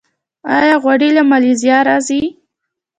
آیا غوړي له مالیزیا راځي؟